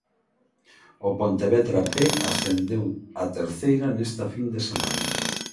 O Pontevedra B ascendeu a Terceira nesta fin de semana